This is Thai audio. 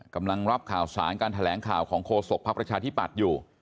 กำลังรับข่าวสารการแถลงข่าวของโฆษกภักดิ์ประชาธิปัตย์อยู่